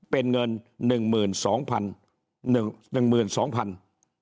เป็นเงิน๑๒๑๒๐๐บาท